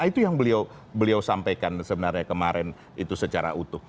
itu yang beliau sampaikan sebenarnya kemarin itu secara utuh